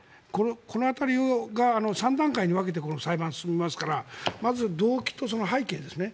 この辺りが３段階に分けて裁判、進みますからまず、動機とその背景ですね。